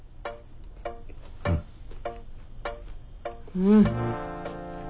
うん。